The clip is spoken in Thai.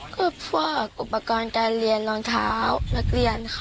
ก็พวกอุปกรณ์การเรียนรองเท้านักเรียนค่ะ